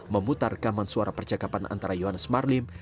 memutar rekaman suara percakapan antara yohannes marlim